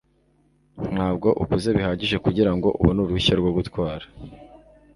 Ntabwo ukuze bihagije kugirango ubone uruhushya rwo gutwara.